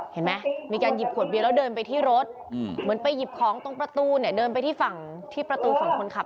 เห็นไหมมีการหยิบขวดเบียร์แล้วเดินไปที่รถเหมือนไปหยิบของตรงประตูเนี่ยเดินไปที่ฝั่งที่ประตูฝั่งคนขับ